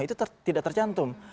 itu tidak tercantum